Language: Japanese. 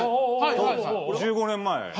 １５年前。